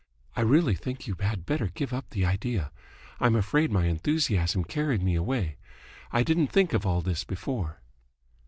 I really think you had better give up the idea, I'm afraid my enthusiasm carried me away. I didn't think of all this before."